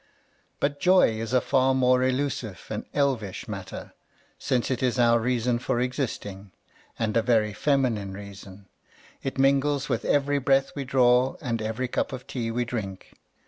But joy is a far more elusive and ehish matter, since it is our reason for existing, and a very feminine reason ; it mingjes with every breath we draw and every cip of tea we drink.